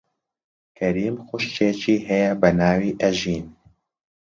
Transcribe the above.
کەریم خوشکێکی هەیە بە ناوی ئەژین.